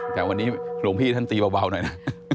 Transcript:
แต่วันนี้หลวงพี่ท่านตีเบาหน่อยนะ